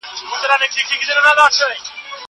سفر د خلکو له خوا کيږي!